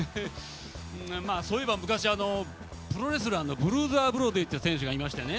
そういえば昔プロレスラーのブルーザー・ブロディって選手がいましてね